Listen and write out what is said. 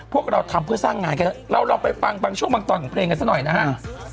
พวกเราทำเพื่อสร้างงานกันเราลองไปฟังบางช่วงบางตอนของเพลงกันซะหน่อยนะฮะ